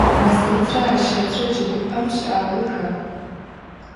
Нэфсэтрэ Айщэтрэ джэгупӏэм щыӏагъэха?